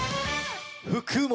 福本。